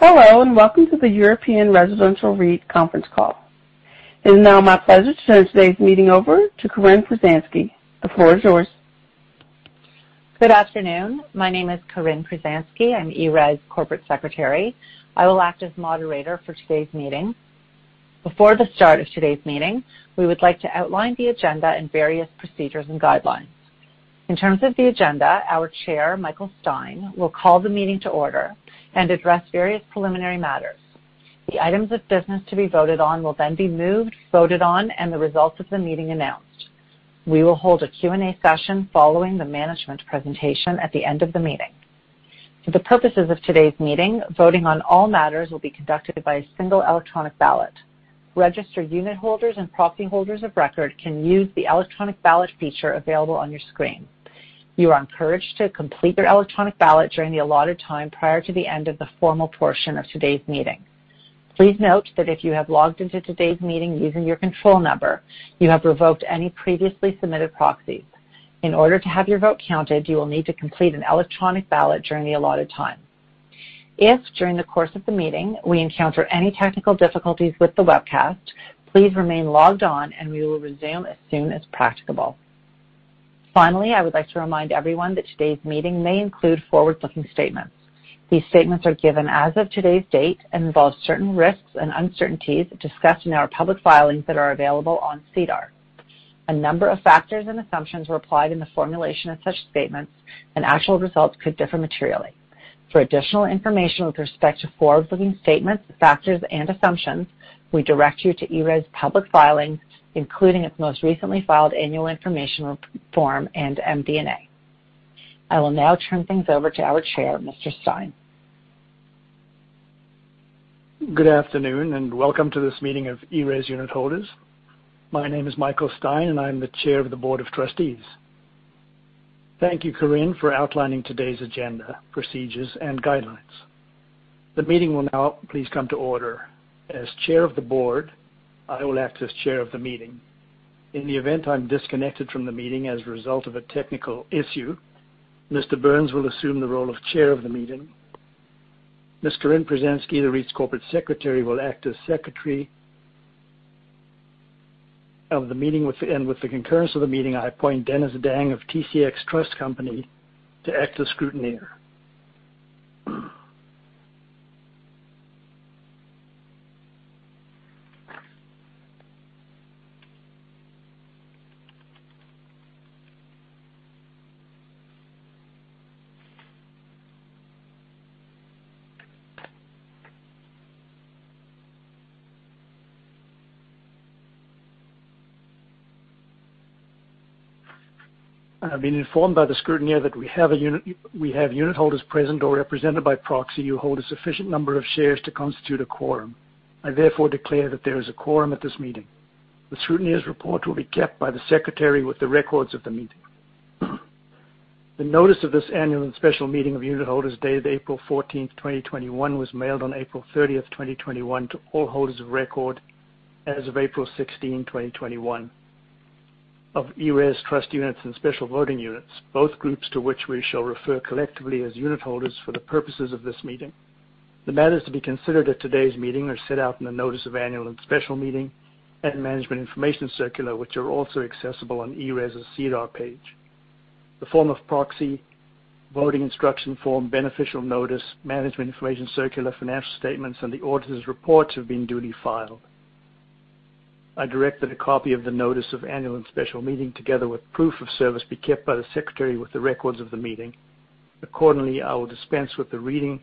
Hello, welcome to the European Residential REIT Conference Call. It is now my pleasure to turn today's meeting over to Corinne Pruzanski. The floor is yours. Good afternoon. My name is Corinne Pruzanski. I'm ERES REIT's corporate secretary. I will act as moderator for today's meeting. Before the start of today's meeting, we would like to outline the agenda and various procedures and guidelines. In terms of the agenda, our chair, Michael Stein, will call the meeting to order and address various preliminary matters. The items of business to be voted on will then be moved, voted on, and the results of the meeting announced. We will hold a Q&A session following the management presentation at the end of the meeting. For the purposes of today's meeting, voting on all matters will be conducted by a single electronic ballot. Registered unitholders and proxy holders of record can use the electronic ballot feature available on your screen. You are encouraged to complete your electronic ballot during the allotted time prior to the end of the formal portion of today's meeting. Please note that if you have logged into today's meeting using your control number, you have revoked any previously submitted proxies. In order to have your vote counted, you will need to complete an electronic ballot during the allotted time. If, during the course of the meeting, we encounter any technical difficulties with the webcast, please remain logged on, and we will resume as soon as practicable. Finally, I would like to remind everyone that today's meeting may include forward-looking statements. These statements are given as of today's date and involve certain risks and uncertainties discussed in our public filings that are available on SEDAR. A number of factors and assumptions were applied in the formulation of such statements, and actual results could differ materially. For additional information with respect to forward-looking statements, factors, and assumptions, we direct you to ERES REIT's public filings, including its most recently filed annual information form and MD&A. I will now turn things over to our chair, Mr. Stein. Good afternoon, welcome to this meeting of the ERES REIT's unitholders. My name is Michael Stein, and I'm the chair of the board of trustees. Thank you, Corinne, for outlining today's agenda, procedures, and guidelines. The meeting will now please come to order. As chair of the board, I will act as chair of the meeting. In the event I'm disconnected from the meeting as a result of a technical issue, Mr. Burns will assume the role of chair of the meeting. Ms. Corinne Pruzanski, the REIT's Corporate Secretary, will act as secretary of the meeting. With the concurrence of the meeting, I appoint Dennis Dang of TSX Trust Company to act as scrutineer. I've been informed by the scrutineer that we have unitholders present or represented by proxy who hold a sufficient number of shares to constitute a quorum. I therefore declare that there is a quorum at this meeting. The scrutineer's report will be kept by the secretary with the records of the meeting. The notice of this annual and special meeting of unitholders, dated April 14th, 2021, was mailed on April 30th, 2021 to all holders of record as of April 16th, 2021 of ERES's trust units and special voting units, both groups to which we shall refer collectively as unitholders for the purposes of this meeting. The matters to be considered at today's meeting are set out in the notice of annual and special meeting and Management Information Circular, which are also accessible on ERES's SEDAR page. The form of proxy, voting instruction form, beneficial notice, Management Information Circular, financial statements, and the auditor's reports have been duly filed. I direct that a copy of the notice of annual and special meeting, together with proof of service, be kept by the secretary with the records of the meeting. Accordingly, I will dispense with the reading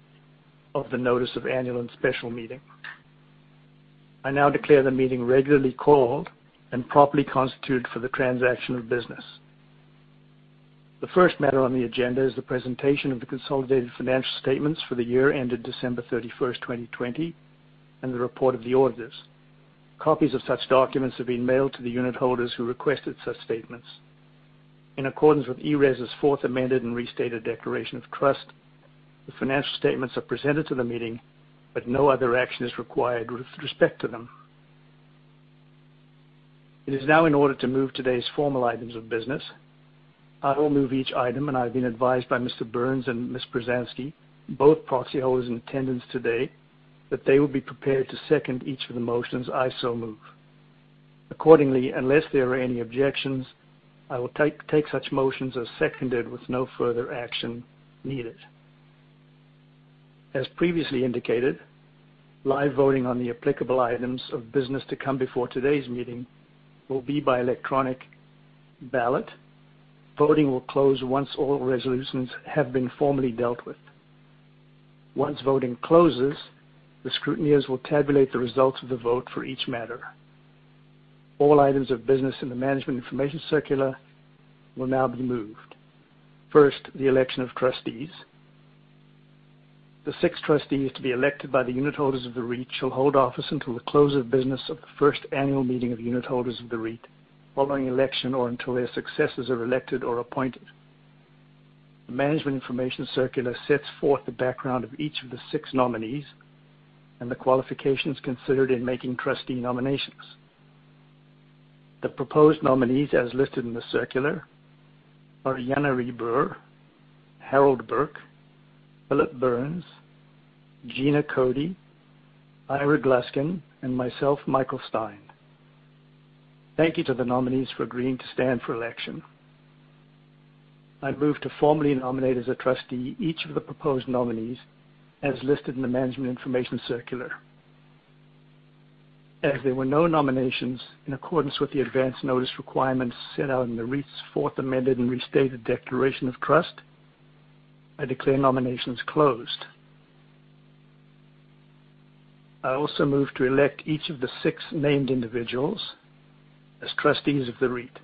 of the notice of annual and special meeting. I now declare the meeting regularly called and properly constituted for the transaction of business. The first matter on the agenda is the presentation of the consolidated financial statements for the year ended December 31, 2020, and the report of the auditors. Copies of such documents have been mailed to the unitholders who requested such statements. In accordance with ERES REIT's fourth amended and restated declaration of trust, the financial statements are presented to the meeting, but no other action is required with respect to them. It is now in order to move today's formal items of business. I will move each item, and I've been advised by Mr. Burns and Ms. Pruzanski, both proxy holders in attendance today, that they will be prepared to second each of the motions I so move. Accordingly, unless there are any objections, I will take such motions as seconded with no further action needed. As previously indicated, live voting on the applicable items of business to come before today's meeting will be by electronic ballot. Voting will close once all resolutions have been formally dealt with. Once voting closes, the scrutineers will tabulate the results of the vote for each matter. All items of business in the Management Information Circular will now be moved. First, the election of trustees. The six trustees to be elected by the unitholders of the REIT shall hold office until the close of business of the first annual meeting of unitholders of the REIT following election or until their successors are elected or appointed. The Management Information Circular sets forth the background of each of the six nominees and the qualifications considered in making trustee nominations. The proposed nominees as listed in the circular are Jan Arie Breure, Harold Burke, Phillip Burns, Gina Cody, Ira Gluskin, and myself, Michael Stein. Thank you to the nominees for agreeing to stand for election. I move to formally nominate as a trustee each of the proposed nominees as listed in the Management Information Circular. There were no nominations, in accordance with the advance notice requirements set out in the REIT's fourth amended and restated declaration of trust, I declare nominations closed. I also move to elect each of the six named individuals as trustees of the REIT.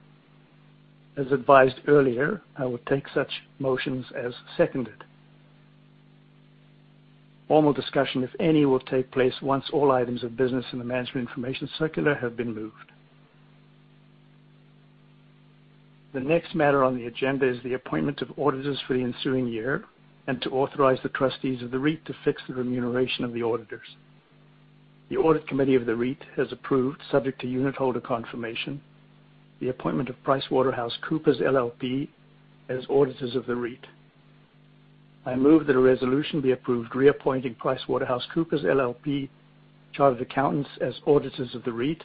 As advised earlier, I will take such motions as seconded. Formal discussion, if any, will take place once all items of business in the Management Information Circular have been moved. The next matter on the agenda is the appointment of auditors for the ensuing year and to authorize the trustees of the REIT to fix the remuneration of the auditors. The audit committee of the REIT has approved, subject to unitholder confirmation, the appointment of PricewaterhouseCoopers LLP as auditors of the REIT. I move that a resolution be approved reappointing PricewaterhouseCoopers LLP Chartered Accountants as auditors of the REIT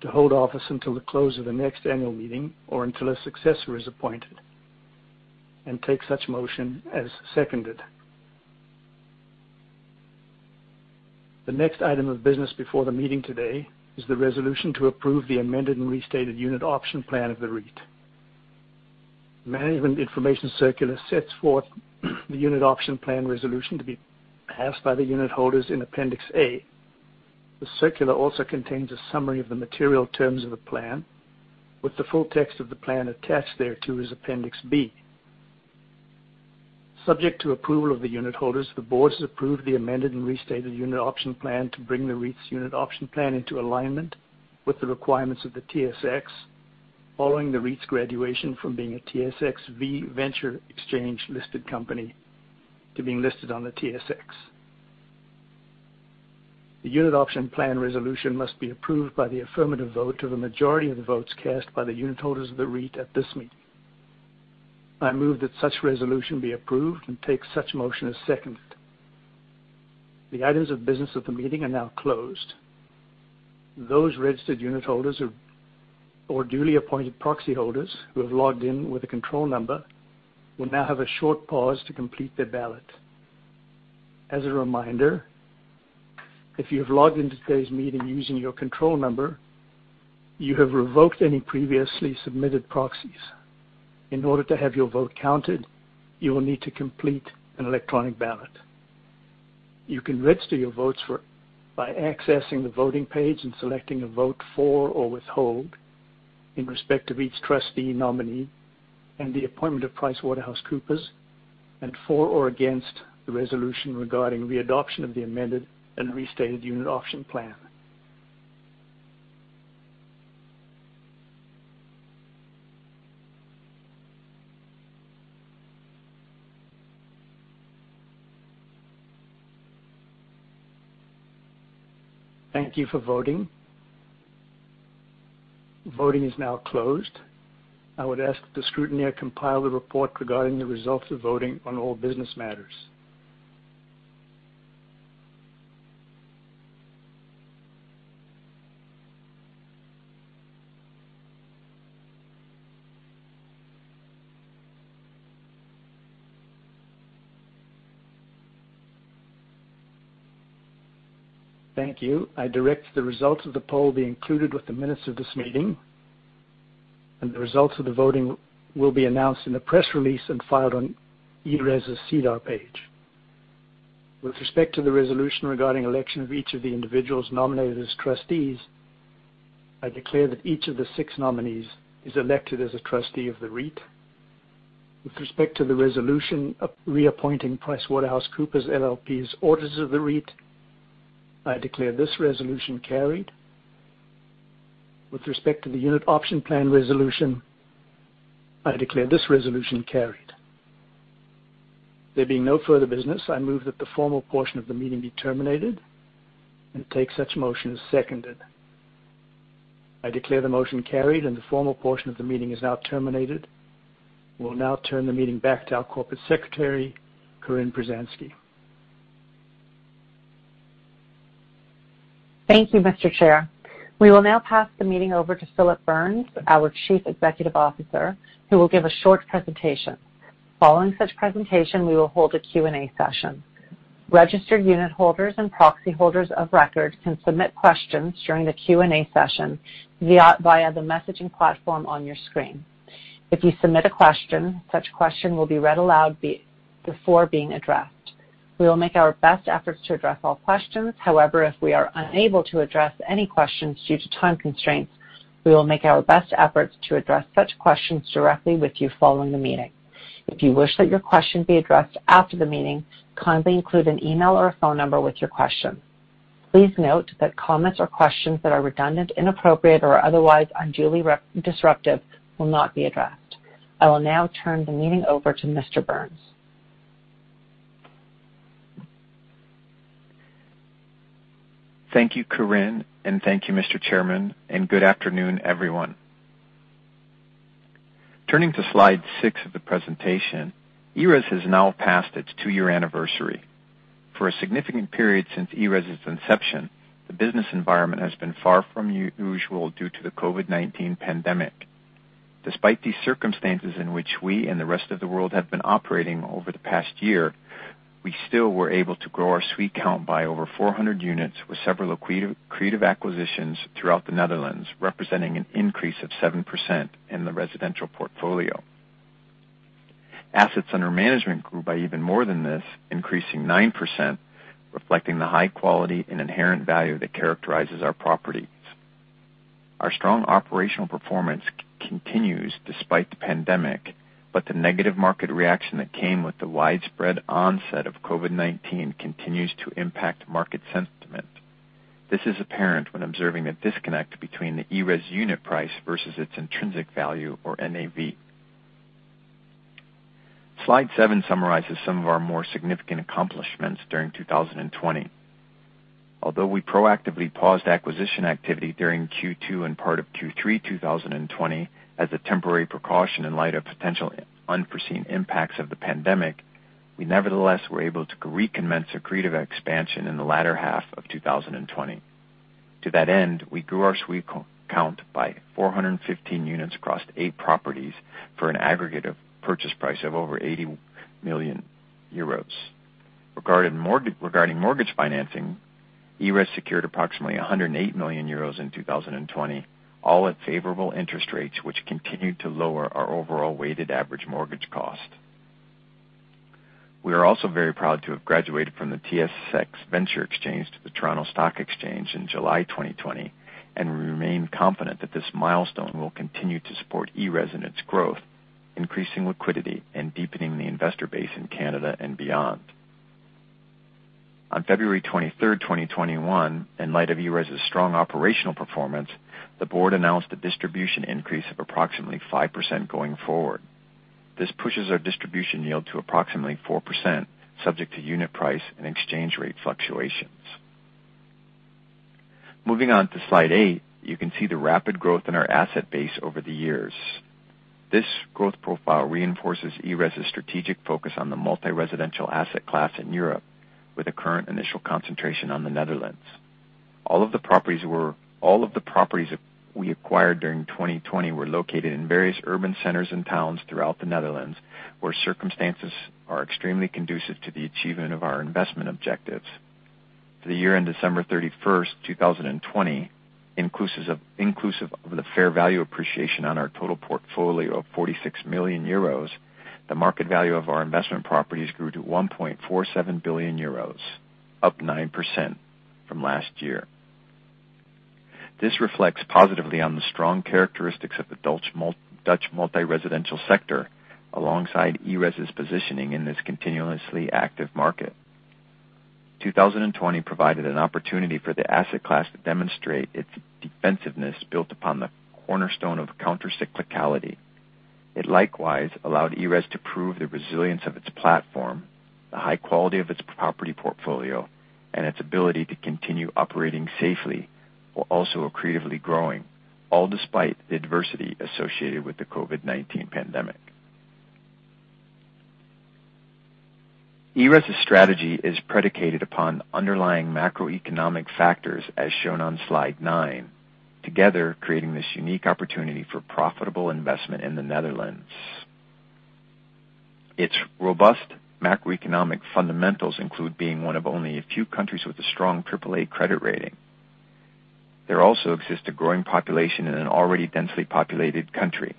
to hold office until the close of the next annual meeting or until a successor is appointed, and take such motion as seconded. The next item of business before the meeting today is the resolution to approve the amended and restated unit option plan of the REIT. Management Information Circular sets forth the unit option plan resolution to be passed by the unitholders in Appendix A. The circular also contains a summary of the material terms of the plan with the full text of the plan attached thereto as Appendix B. Subject to approval of the unitholders, the board has approved the amended and restated unit option plan to bring the REIT's unit option plan into alignment with the requirements of the TSX, following the REIT's graduation from being a TSXV Venture Exchange-listed company to being listed on the TSX. The unit option plan resolution must be approved by the affirmative vote of a majority of the votes cast by the unitholders of the REIT at this meeting. I move that such resolution be approved and take such motion as seconded. The items of business of the meeting are now closed. Those registered unitholders or duly appointed proxy holders who have logged in with a control number will now have a short pause to complete their ballot. As a reminder, if you have logged into today's meeting using your control number, you have revoked any previously submitted proxies. In order to have your vote counted, you will need to complete an electronic ballot. You can register your votes by accessing the voting page and selecting a vote for or withhold in respect of each trustee nominee and the appointment of PricewaterhouseCoopers, and for or against the resolution regarding the adoption of the amended and restated unit option plan. Thank you for voting. Voting is now closed. I would ask that the scrutineer compile the report regarding the results of voting on all business matters. Thank you. I direct the results of the poll be included with the minutes of this meeting, and the results of the voting will be announced in the press release and filed on ERES's SEDAR page. With respect to the resolution regarding election of each of the individuals nominated as trustees, I declare that each of the six nominees is elected as a trustee of the REIT. With respect to the resolution of reappointing PricewaterhouseCoopers LLP as auditors of the REIT, I declare this resolution carried. With respect to the unit option plan resolution, I declare this resolution carried. There being no further business, I move that the formal portion of the meeting be terminated and take such motion as seconded. I declare the motion carried and the formal portion of the meeting is now terminated. We'll now turn the meeting back to our Corporate Secretary, Corinne Pruzanski. Thank you, Mr. Chair. We will now pass the meeting over to Phillip Burns, our Chief Executive Officer, who will give a short presentation. Following such presentation, we will hold a Q&A session. Registered unitholders and proxy holders of record can submit questions during the Q&A session via the messaging platform on your screen. If you submit a question, such question will be read aloud before being addressed. We will make our best efforts to address all questions. However, if we are unable to address any questions due to time constraints, we will make our best efforts to address such questions directly with you following the meeting. If you wish that your question be addressed after the meeting, kindly include an email or a phone number with your question. Please note that comments or questions that are redundant, inappropriate, or otherwise unduly disruptive will not be addressed. I will now turn the meeting over to Mr. Burns. Thank you, Corinne, and thank you, Mr. Chairman, and good afternoon, everyone. Turning to slide six of the presentation, ERES has now passed its two-year anniversary. For a significant period since ERES' inception, the business environment has been far from usual due to the COVID-19 pandemic. Despite these circumstances in which we and the rest of the world have been operating over the past year, we still were able to grow our suite count by over 400 units with several accretive acquisitions throughout the Netherlands, representing an increase of 7% in the residential portfolio. Assets under management grew by even more than this, increasing 9%, reflecting the high quality and inherent value that characterizes our properties. Our strong operational performance continues despite the pandemic, but the negative market reaction that came with the widespread onset of COVID-19 continues to impact market sentiment. This is apparent when observing a disconnect between the ERES unit price versus its intrinsic value or NAV. Slide seven summarizes some of our more significant accomplishments during 2020. Although we proactively paused acquisition activity during Q2 and part of Q3 2020 as a temporary precaution in light of potential unforeseen impacts of the pandemic, we nevertheless were able to recommence accretive expansion in the latter half of 2020. To that end, we grew our suite count by 415 units across eight properties for an aggregate purchase price of over 80 million euros. Regarding mortgage financing, ERES secured approximately 108 million euros in 2020, all at favorable interest rates, which continued to lower our overall weighted average mortgage cost. We are also very proud to have graduated from the TSX Venture Exchange to the Toronto Stock Exchange in July 2020. We remain confident that this milestone will continue to support ERES in its growth, increasing liquidity and deepening the investor base in Canada and beyond. On February 23rd, 2021, in light of ERES' strong operational performance, the board announced a distribution increase of approximately 5% going forward. This pushes our distribution yield to approximately 4%, subject to unit price and exchange rate fluctuations. Moving on to slide eight, you can see the rapid growth in our asset base over the years. This growth profile reinforces ERES' strategic focus on the multi-residential asset class in Europe, with a current initial concentration on the Netherlands. All of the properties we acquired during 2020 were located in various urban centers and towns throughout the Netherlands, where circumstances are extremely conducive to the achievement of our investment objectives. For the year-end December 31st, 2020, inclusive of the fair value appreciation on our total portfolio of 46 million euros, the market value of our investment properties grew to 1.47 billion euros, up 9% from last year. This reflects positively on the strong characteristics of the Dutch multi-residential sector, alongside ERES' positioning in this continuously active market. 2020 provided an opportunity for the asset class to demonstrate its defensiveness built upon the cornerstone of countercyclicality. It likewise allowed ERES to prove the resilience of its platform, the high quality of its property portfolio, and its ability to continue operating safely while also accretively growing, all despite the adversity associated with the COVID-19 pandemic. ERES' strategy is predicated upon underlying macroeconomic factors, as shown on slide nine, together creating this unique opportunity for profitable investment in the Netherlands. Its robust macroeconomic fundamentals include being one of only a few countries with a strong AAA credit rating. There also exists a growing population in an already densely populated country.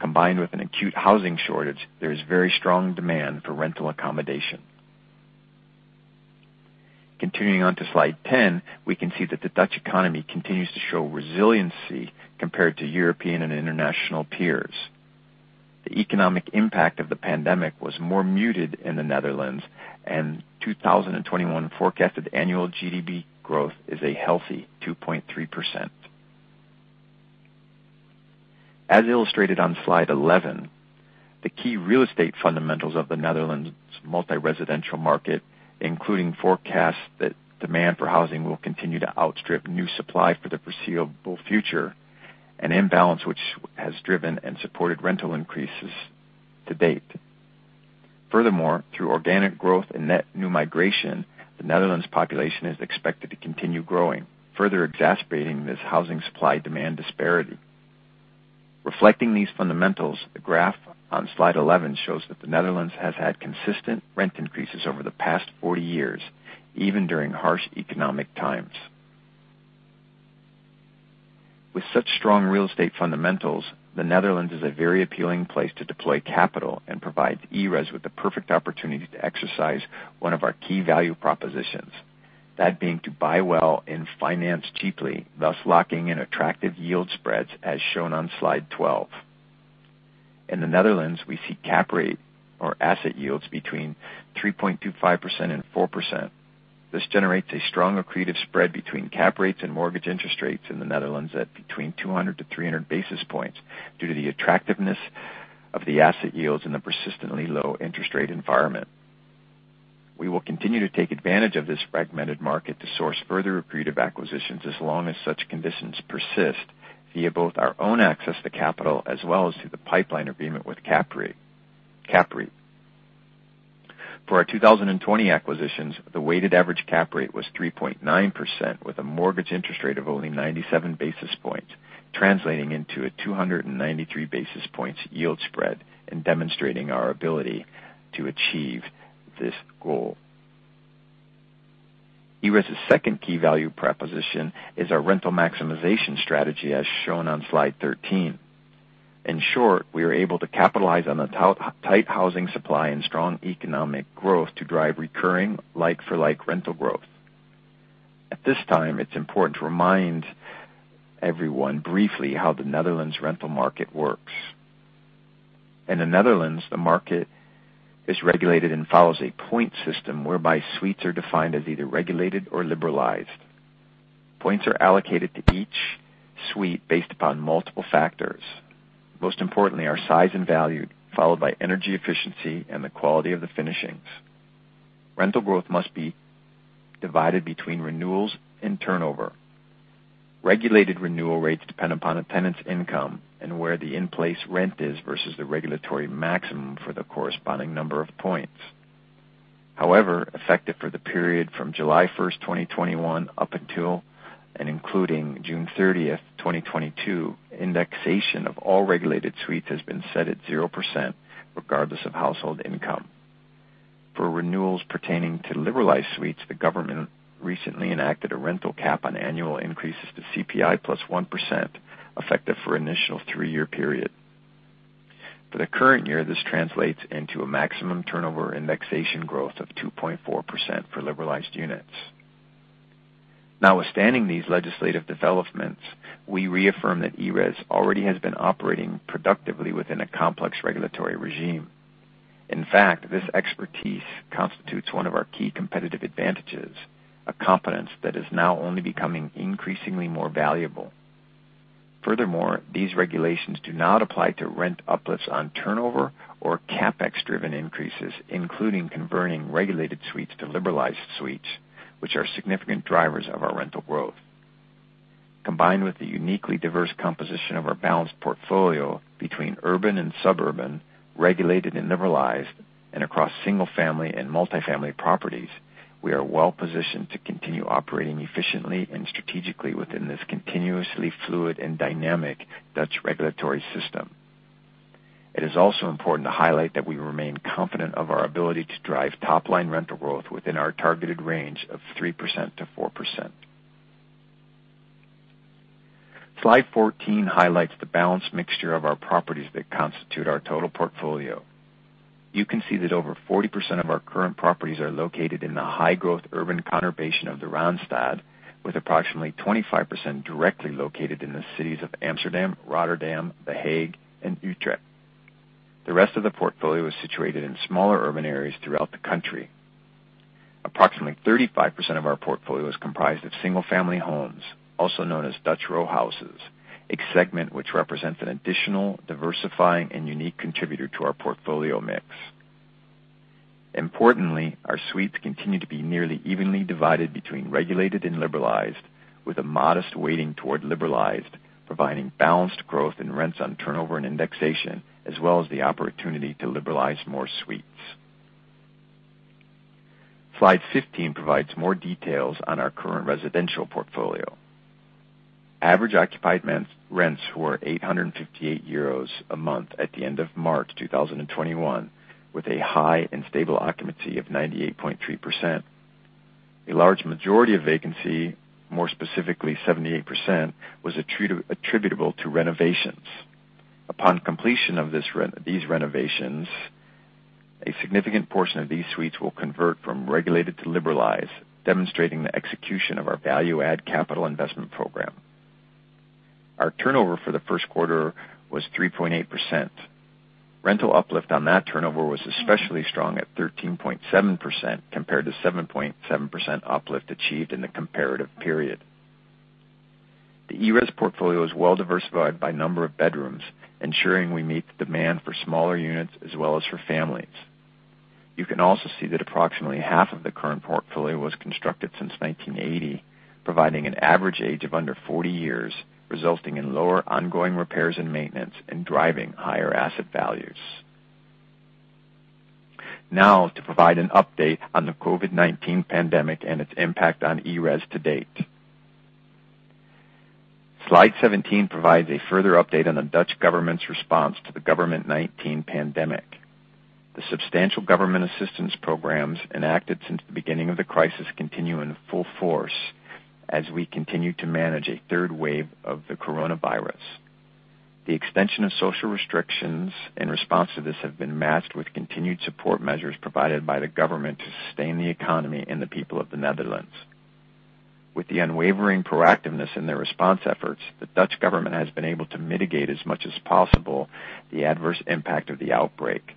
Combined with an acute housing shortage, there is very strong demand for rental accommodation. Continuing on to slide 10, we can see that the Dutch economy continues to show resiliency compared to European and international peers. The economic impact of the pandemic was more muted in the Netherlands, and 2021 forecasted annual GDP growth is a healthy 2.3%. As illustrated on slide 11, the key real estate fundamentals of the Netherlands multi-residential market, including forecasts that demand for housing will continue to outstrip new supply for the foreseeable future, an imbalance which has driven and supported rental increases to date. Furthermore, through organic growth and net new migration, the Netherlands population is expected to continue growing, further exacerbating this housing supply-demand disparity. Reflecting these fundamentals, the graph on slide 11 shows that the Netherlands has had consistent rent increases over the past 40 years, even during harsh economic times. With such strong real estate fundamentals, the Netherlands is a very appealing place to deploy capital and provides ERES with the perfect opportunity to exercise one of our key value propositions. That being to buy well and finance cheaply, thus locking in attractive yield spreads, as shown on slide 12. In the Netherlands, we see cap rate or asset yields between 3.25% and 4%. This generates a strong accretive spread between cap rates and mortgage interest rates in the Netherlands at between 200-300 basis points due to the attractiveness of the asset yields in the persistently low interest rate environment. We will continue to take advantage of this fragmented market to source further accretive acquisitions as long as such conditions persist via both our own access to capital as well as through the pipeline agreement with CAPREIT. For our 2020 acquisitions, the weighted average cap rate was 3.9%, with a mortgage interest rate of only 97 basis points, translating into a 293 basis points yield spread and demonstrating our ability to achieve this goal. ERES's second key value proposition is our rental maximization strategy, as shown on slide 13. In short, we are able to capitalize on the tight housing supply and strong economic growth to drive recurring like-for-like rental growth. At this time, it's important to remind everyone briefly how the Netherlands rental market works. In the Netherlands, the market is regulated and follows a point system whereby suites are defined as either regulated or liberalized. Points are allocated to each suite based upon multiple factors. Most importantly are size and value, followed by energy efficiency and the quality of the finishings. Rental growth must be divided between renewals and turnover. Regulated renewal rates depend upon a tenant's income and where the in-place rent is versus the regulatory maximum for the corresponding number of points. However, effective for the period from July 1st, 2021, up until and including June 30th, 2022, indexation of all regulated suites has been set at 0%, regardless of household income. For renewals pertaining to liberalized suites, the government recently enacted a rental cap on annual increases to CPI plus 1%, effective for an initial three-year period. For the current year, this translates into a maximum turnover indexation growth of 2.4% for liberalized units. Notwithstanding these legislative developments, we reaffirm that ERES already has been operating productively within a complex regulatory regime. In fact, this expertise constitutes one of our key competitive advantages, a competence that is now only becoming increasingly more valuable. Furthermore, these regulations do not apply to rent uplifts on turnover or CapEx driven increases, including converting regulated suites to liberalized suites, which are significant drivers of our rental growth. Combined with the uniquely diverse composition of our balanced portfolio between urban and suburban, regulated and liberalized, and across single-family and multifamily properties, we are well positioned to continue operating efficiently and strategically within this continuously fluid and dynamic Dutch regulatory system. It is also important to highlight that we remain confident of our ability to drive top-line rental growth within our targeted range of 3%-4%. Slide 14 highlights the balanced mixture of our properties that constitute our total portfolio. You can see that over 40% of our current properties are located in the high-growth urban conurbation of the Randstad, with approximately 25% directly located in the cities of Amsterdam, Rotterdam, The Hague, and Utrecht. The rest of the portfolio is situated in smaller urban areas throughout the country. Approximately 35% of our portfolio is comprised of single-family homes, also known as Dutch row houses, a segment which represents an additional diversifying and unique contributor to our portfolio mix. Importantly, our suites continue to be nearly evenly divided between regulated and liberalized, with a modest weighting toward liberalized, providing balanced growth in rents on turnover and indexation, as well as the opportunity to liberalize more suites. Slide 15 provides more details on our current residential portfolio. Average occupied rents were 858 euros a month at the end of March 2021, with a high and stable occupancy of 98.3%. A large majority of vacancy, more specifically 78%, was attributable to renovations. Upon completion of these renovations, a significant portion of these suites will convert from regulated to liberalized, demonstrating the execution of our value-add capital investment program. Our turnover for the first quarter was 3.8%. Rental uplift on that turnover was especially strong at 13.7%, compared to 7.7% uplift achieved in the comparative period. The ERES portfolio is well diversified by number of bedrooms, ensuring we meet the demand for smaller units as well as for families. You can also see that approximately half of the current portfolio was constructed since 1980, providing an average age of under 40 years, resulting in lower ongoing repairs and maintenance and driving higher asset values. Now to provide an update on the COVID-19 pandemic and its impact on ERES to date. Slide 17 provides a further update on the Dutch government's response to the COVID-19 pandemic. The substantial government assistance programs enacted since the beginning of the crisis continue in full force as we continue to manage a third wave of the coronavirus. The extension of social restrictions in response to this have been matched with continued support measures provided by the government to sustain the economy and the people of the Netherlands. With the unwavering proactiveness in their response efforts, the Dutch government has been able to mitigate as much as possible the adverse impact of the outbreak.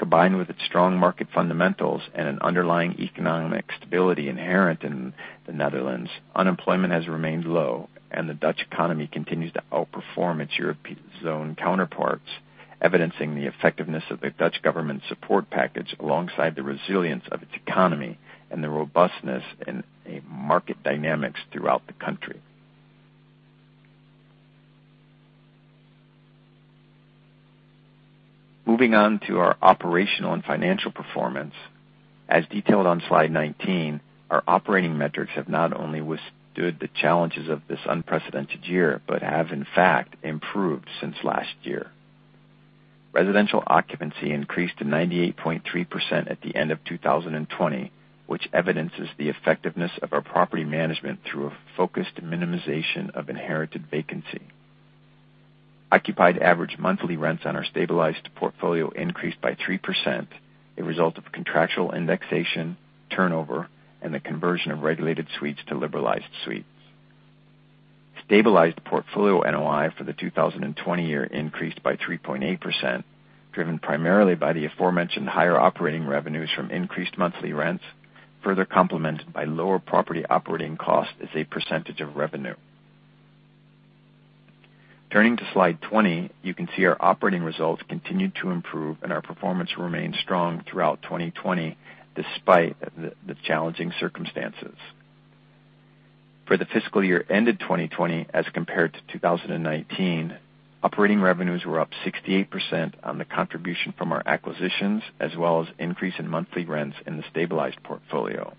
Combined with its strong market fundamentals and an underlying economic stability inherent in the Netherlands, unemployment has remained low, and the Dutch economy continues to outperform its European zone counterparts, evidencing the effectiveness of the Dutch government support package alongside the resilience of its economy and the robustness in market dynamics throughout the country. Moving on to our operational and financial performance. As detailed on slide 19, our operating metrics have not only withstood the challenges of this unprecedented year but have, in fact, improved since last year. Residential occupancy increased to 98.3% at the end of 2020, which evidences the effectiveness of our property management through a focused minimization of inherited vacancy. Occupied average monthly rents on our stabilized portfolio increased by 3%, a result of contractual indexation, turnover, and the conversion of regulated suites to liberalized suites. Stabilized portfolio NOI for the 2020 year increased by 3.8%, driven primarily by the aforementioned higher operating revenues from increased monthly rents, further complemented by lower property operating costs as a percentage of revenue. Turning to Slide 20, you can see our operating results continued to improve, and our performance remained strong throughout 2020 despite the challenging circumstances. For the fiscal year ended 2020 as compared to 2019, operating revenues were up 68% on the contribution from our acquisitions, as well as an increase in monthly rents in the stabilized portfolio.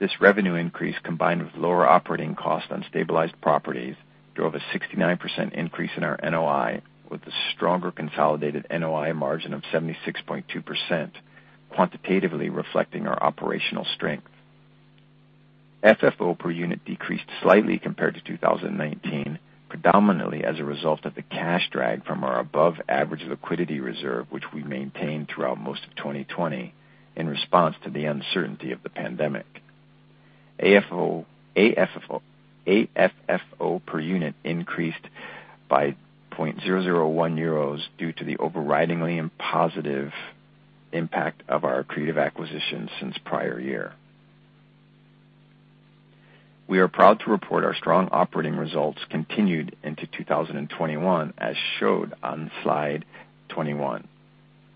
This revenue increase, combined with lower operating costs on stabilized properties, drove a 69% increase in our NOI, with a stronger consolidated NOI margin of 76.2%, quantitatively reflecting our operational strength. FFO per unit decreased slightly compared to 2019, predominantly as a result of the cash drag from our above-average liquidity reserve, which we maintained throughout most of 2020 in response to the uncertainty of the pandemic. AFFO per unit increased by 0.001 euros due to the overridingly positive impact of our accretive acquisitions since the prior year. We are proud to report our strong operating results continued into 2021, as shown on Slide 21.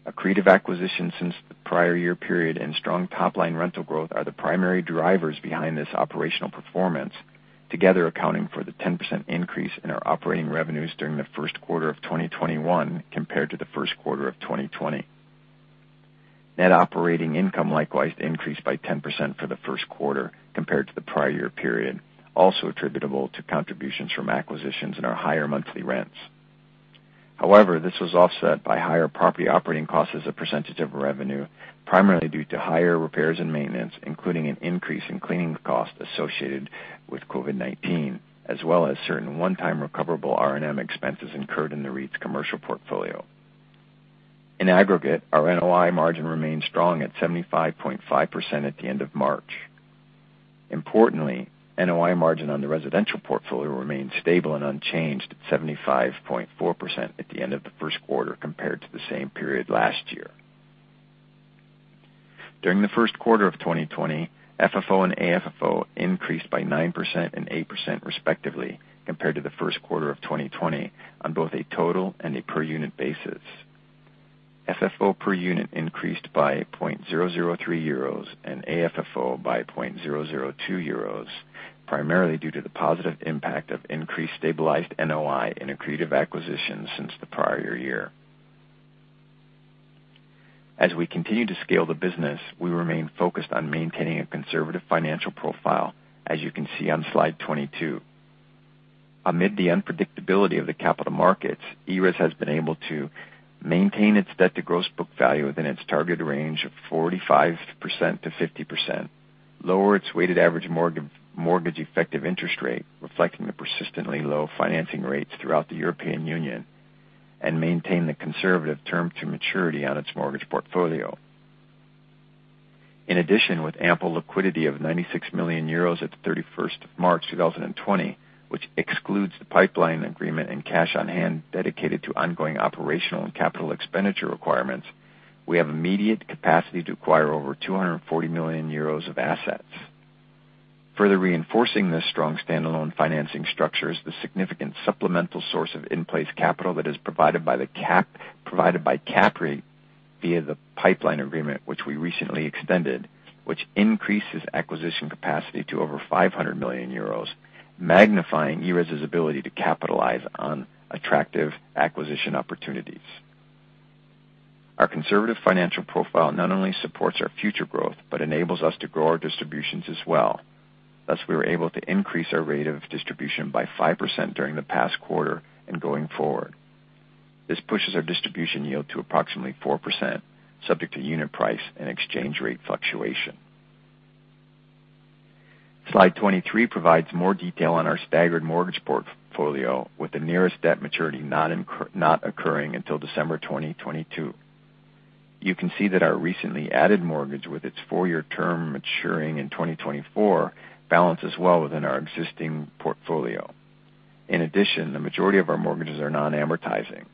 Accretive acquisitions since the prior year period and strong top-line rental growth are the primary drivers behind this operational performance, together accounting for the 10% increase in our operating revenues during the first quarter of 2021 compared to the first quarter of 2020. Net operating income likewise increased by 10% for the first quarter compared to the prior year period, also attributable to contributions from acquisitions and our higher monthly rents. This was offset by higher property operating costs as a percentage of revenue, primarily due to higher repairs and maintenance, including an increase in cleaning costs associated with COVID-19, as well as certain one-time recoverable R&M expenses incurred in the REIT's commercial portfolio. In aggregate, our NOI margin remained strong at 75.5% at the end of March. Importantly, NOI margin on the residential portfolio remained stable and unchanged at 75.4% at the end of the first quarter compared to the same period last year. During the first quarter of 2020, FFO and AFFO increased by 9% and 8%, respectively, compared to the first quarter of 2020 on both a total and a per-unit basis. FFO per unit increased by 0.003 euros and AFFO by 0.002 euros, primarily due to the positive impact of increased stabilized NOI and accretive acquisitions since the prior year. As we continue to scale the business, we remain focused on maintaining a conservative financial profile, as you can see on Slide 22. Amid the unpredictability of the capital markets, ERES has been able to maintain its debt to gross book value within its target range of 45%-50%, lower its weighted average mortgage effective interest rate, reflecting the persistently low financing rates throughout the European Union, and maintain the conservative term to maturity on its mortgage portfolio. In addition, with ample liquidity of 96 million euros at the 31st of March 2020, which excludes the pipeline agreement and cash on hand dedicated to ongoing operational and capital expenditure requirements, we have immediate capacity to acquire over 240 million euros of assets. Further reinforcing this strong standalone financing structure is the significant supplemental source of in-place capital that is provided by CAPREIT via the pipeline agreement, which we recently extended, which increases acquisition capacity to over 500 million euros, magnifying ERES' ability to capitalize on attractive acquisition opportunities. Our conservative financial profile not only supports our future growth but enables us to grow our distributions as well. We were able to increase our rate of distribution by 5% during the past quarter and going forward. This pushes our distribution yield to approximately 4%, subject to unit price and exchange rate fluctuation. Slide 23 provides more detail on our staggered mortgage portfolio, with the nearest debt maturity not occurring until December 2022. You can see that our recently added mortgage, with its four-year term maturing in 2024, balances well within our existing portfolio. In addition, the majority of our mortgages are non-amortizing.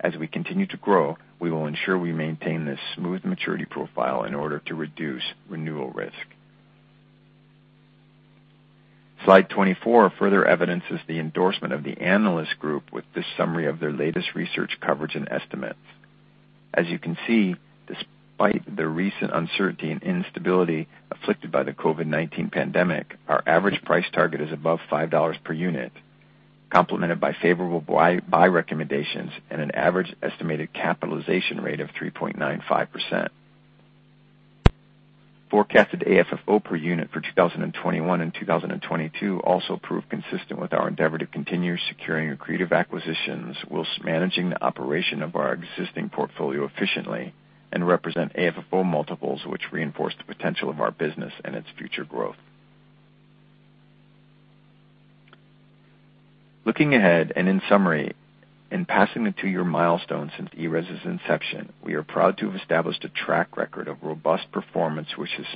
As we continue to grow, we will ensure we maintain this smooth maturity profile in order to reduce renewal risk. Slide 24 further evidences the endorsement of the analyst group with this summary of their latest research coverage and estimates. As you can see, despite the recent uncertainty and instability afflicted by the COVID-19 pandemic, our average price target is above $5 per unit, complemented by favorable buy recommendations and an average estimated capitalization rate of 3.95%. Forecasted AFFO per unit for 2021 and 2022 also prove consistent with our endeavor to continue securing accretive acquisitions whilst managing the operation of our existing portfolio efficiently and represent AFFO multiples which reinforce the potential of our business and its future growth. Looking ahead, in summary, in passing the two-year milestone since ERES' inception, we are proud to have established a track record of robust performance which has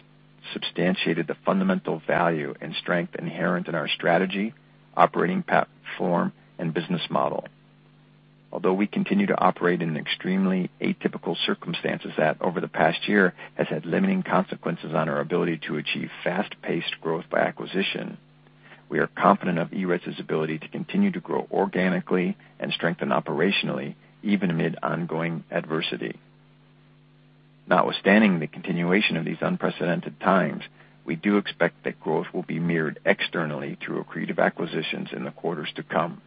substantiated the fundamental value and strength inherent in our strategy, operating platform, and business model. We continue to operate in extremely atypical circumstances that, over the past year, has had limiting consequences on our ability to achieve fast-paced growth by acquisition, we are confident of ERES' ability to continue to grow organically and strengthen operationally, even amid ongoing adversity. Notwithstanding the continuation of these unprecedented times, we do expect that growth will be mirrored externally through accretive acquisitions in the quarters to come.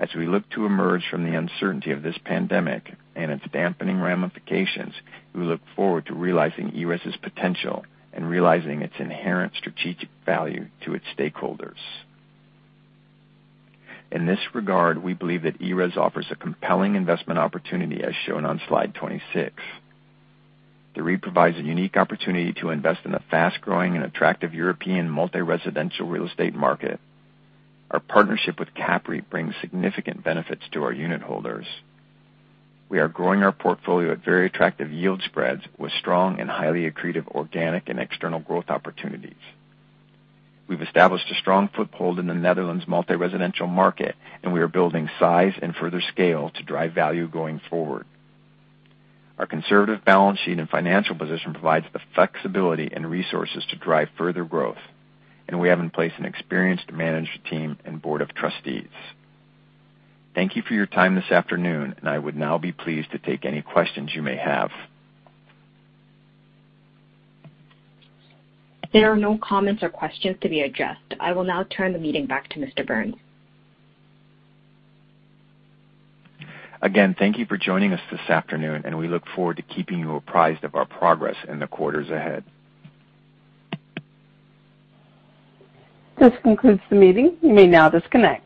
As we look to emerge from the uncertainty of this pandemic and its dampening ramifications, we look forward to realizing ERES' potential and realizing its inherent strategic value to its stakeholders. In this regard, we believe that ERES offers a compelling investment opportunity, as shown on slide 26. The REIT provides a unique opportunity to invest in the fast-growing and attractive European multi-residential real estate market. Our partnership with CAPREIT brings significant benefits to our unit holders. We are growing our portfolio at very attractive yield spreads with strong and highly accretive organic and external growth opportunities. We've established a strong foothold in the Netherlands multi-residential market, and we are building size and further scale to drive value going forward. Our conservative balance sheet and financial position provides the flexibility and resources to drive further growth, and we have in place an experienced management team and board of trustees. Thank you for your time this afternoon, and I would now be pleased to take any questions you may have. There are no comments or questions to be addressed. I will now turn the meeting back to Mr. Burns. Again, thank you for joining us this afternoon, and we look forward to keeping you apprised of our progress in the quarters ahead. This concludes the meeting. You may now disconnect.